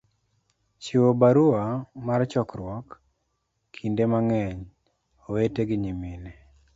Chiwo barua mar chokruok, Kinde mang'eny, owete gi nyimine